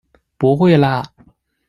不会啦！